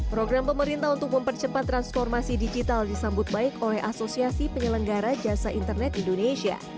program pemerintah untuk mempercepat transformasi digital disambut baik oleh asosiasi penyelenggara jasa internet indonesia